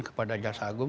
kepada jasa agung